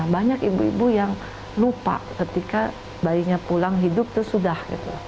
banyak ibu ibu yang lupa ketika bayinya pulang hidup itu sudah